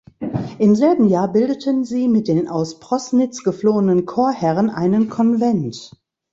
Im selben Jahr bildeten sie mit den aus Proßnitz geflohenen Chorherren einen Konvent.